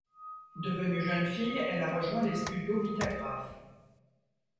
Devenue jeune fille, elle a rejoint les studios Vitagraph.